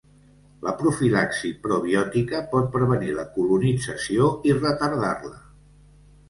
La profilaxi probiòtica pot prevenir la colonització i retardar-la.